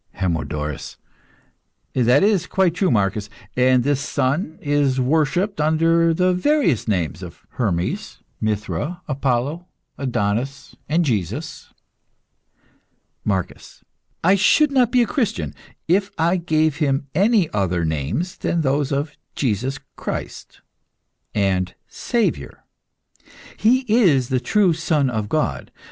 HERMODORUS. That is quite true, Marcus; and this Son is worshipped under the various names of Hermes, Mithra, Adonis, Apollo, and Jesus. MARCUS. I should not be a Christian if I gave Him any other names than those of Jesus Christ, and Saviour. He is the true Son of God.